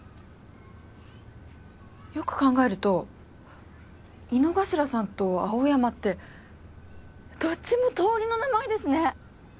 よく考えると井之頭さんと青山ってどっちも通りの名前ですね。